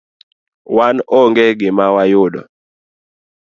wan onge gima wayudo.